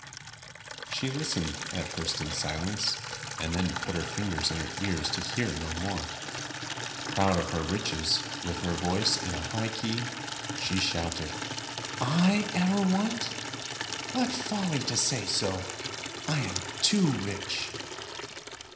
She listened at first in silence, and then put her fingers in her ears to hear no more. Proud of her riches, with her voice in a high key, she shouted, "I ever want? What folly to say so! I am too rich."